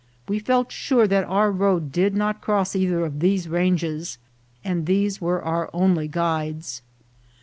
We felt sure that our road did not cross either of these ranges, and these were our only guides.